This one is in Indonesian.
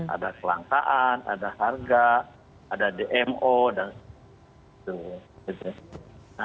ada kelangkaan ada harga ada dmo dan sebagainya